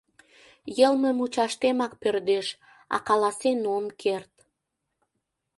Йылме мучаштемак пӧрдеш, а каласен ом керт.